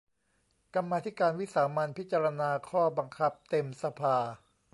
กรรมาธิการวิสามัญพิจารณาข้อบังคับเต็มสภา